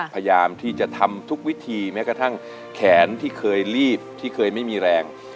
พยายามที่จะทำทุกวิธีแม้กระทั่งแขนที่เคยรีบที่เคยไม่มีแรง